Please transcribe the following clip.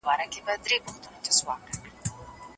نوی نسل د تېرو تنظيمونو په اړه پوښتنې کوي.